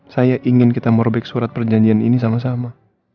saya ingin kita morbik surat perjanjian ini sama sama